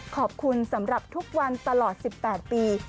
ขอบคุณสำหรับทุกวันตลอด๑๘ปี